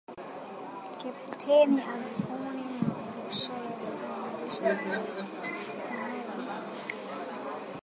Kepteni Antony Mualushayi, amesema wanajeshi waliwaua wapiganaji kumi na moja wa shirika la waasi tokea Uganda jana Jumanne